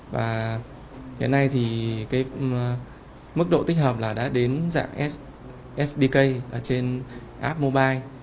và hiện nay thì mức độ tích hợp đã đến dạng sdk trên app mobile